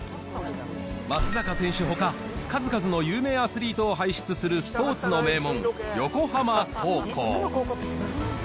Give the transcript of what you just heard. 松坂選手のほか、数々の有名アスリートを輩出するスポーツの名門、横浜高校。